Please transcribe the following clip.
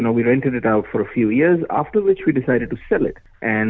kami membelinya beberapa tahun kemudian kami memutuskan untuk menjualnya